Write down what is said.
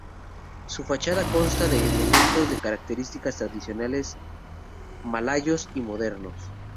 Su fachada consta de elementos de características tradicionales malayos y modernos.